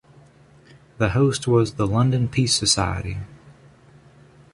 The host was the London Peace Society.